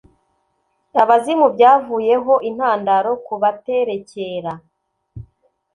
abazimu byavuyeho intandaro ku baterekera